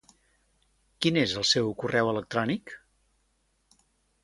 Quin és el seu correu electrònic?